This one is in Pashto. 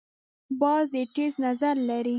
باز ډیر تېز نظر لري